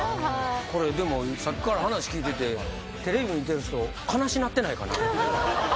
これでもさっきから話聞いててテレビ見てる人悲しなってないかな？